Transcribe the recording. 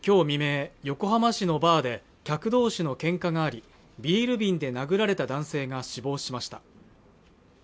未明横浜市のバーで客同士のけんかがありビール瓶で殴られた男性が死亡しました